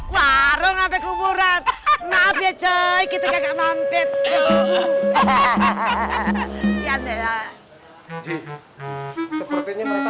warung abek kuburan maaf ya coy kita nggak mampet hahaha ya deh jik sepertinya mereka